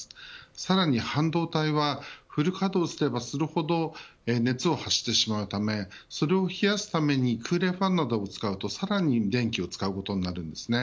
さらに、半導体はフル稼働すればするほど熱を発してしまうためそれを冷やすために空冷ファンなどを使うとさらに電力を使うことになります。